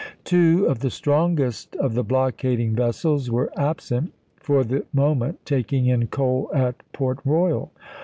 Two of the strong Jim}' est of the blockading vessels were absent, for the moment, taking in coal at Port Royal.